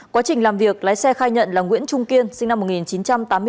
quá trình làm việc lái xe khai nhận là nguyễn trung kiên sinh năm một nghìn chín trăm tám mươi bốn